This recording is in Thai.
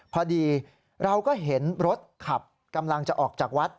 พอดีเราก็เห็นรถขับกำลังจะออกจากวัด